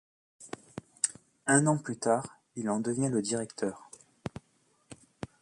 Un an plus tard, il en devient le directeur.